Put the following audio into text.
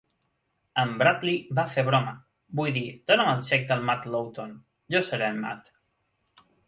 En Bradley va fer broma, 'Vull dir, dona'm el xec del Matt Lawton... Jo seré en Matt'.